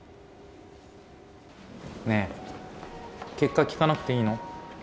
ねえ結果聞かなくていいの？